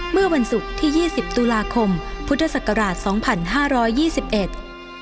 เมื่อวันศุกร์ที่๒๐ตุลาคมพุทธศักราช๒๕๒๑